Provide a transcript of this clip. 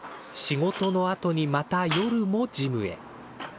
仕事のあとにまた夜もジムへ。